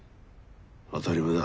当たり前だ。